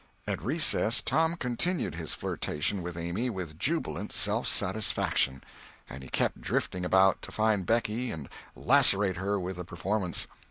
At recess Tom continued his flirtation with Amy with jubilant self satisfaction. And he kept drifting about to find Becky and lacerate her with the performance.